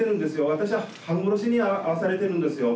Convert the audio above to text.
私は半殺しに遭わされてるんですよ。